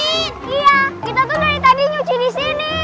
iya kita tuh dari tadi nyuci di sini